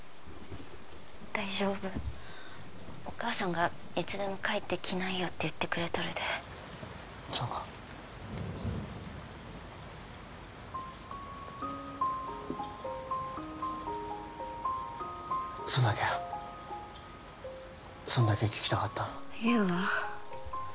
大丈夫お母さんがいつでも帰ってきないよって言ってくれとるでそうかそんだけやそんだけ聞きたかった優は？